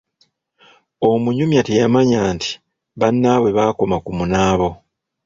Omunyumya teyamanya nti bannaabwe baakoma ku munaabo.